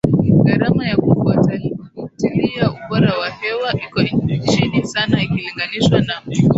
gharama ya kufuatilia ubora wa hewa iko chini sana ikilinganishwa na